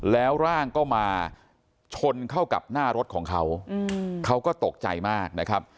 แล้วร่างก็มาชนเข้ากับหน้ารถของเขาเขาก็ตกใจมากนะครับ